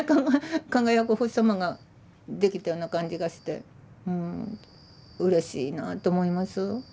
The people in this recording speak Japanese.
輝くお星様ができたような感じがしてうんうれしいなと思います。